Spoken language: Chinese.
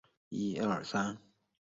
车站北侧有神崎川流经。